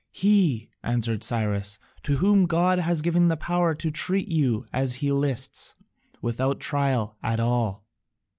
"He," answered Cyrus, "to whom God has given the power to treat you as he lists, without a trial at all."